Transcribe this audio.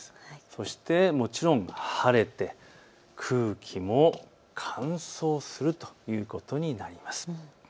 そしてもちろん晴れて空気も乾燥するということになります。